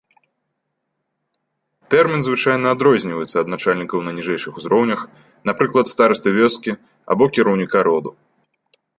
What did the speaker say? Тэрмін звычайна адрозніваецца ад начальнікаў на ніжэйшых узроўнях, напрыклад, старасты вёскі або кіраўніка роду.